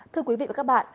thưa quý vị và các bạn